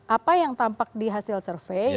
apa yang tampak di hasil survei ini ya